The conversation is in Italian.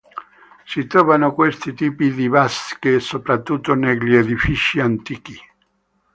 Si trovano questi tipi di vasche soprattutto negli edifici antichi.